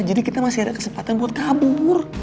jadi kita masih ada kesempatan buat kabur